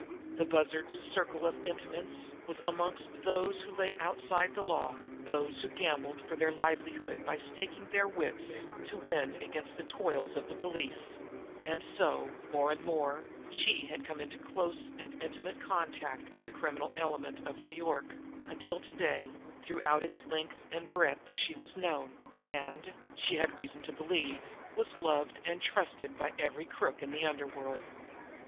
The Bussard's circle of intimates was amongst those who lay outside the law, those who gambled for their livelihood by staking their wits, to win against the toils of the police; and so, more and more, she had come into close and intimate contact with the criminal element of New York, until to day, throughout its length and breadth, she was known, and, she had reason to believe, was loved and trusted by every crook in the underworld.